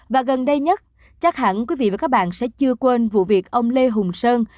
và gần đây nhất chắc hẳn quý vị và các bạn sẽ chưa quên vụ việc ông lê hùng sơn